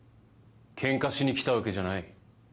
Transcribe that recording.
ケンカしに来たわけじゃない。